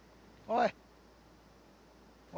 おい！